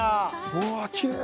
うわっきれい！